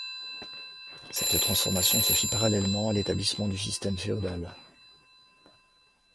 Cette transformation se fit parallèlement à l’établissement du système féodal.